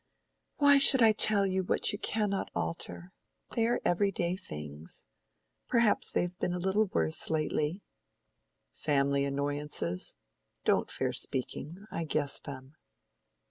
"Why should I tell you what you cannot alter? They are every day things:—perhaps they have been a little worse lately." "Family annoyances. Don't fear speaking. I guess them."